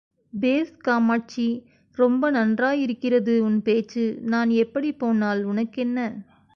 பேஷ் காமாட்சி ரொம்ப நன்றாயிருக்கிறது உன் பேச்சு, நான் எப்படிப் போனால் உனக்கென்ன?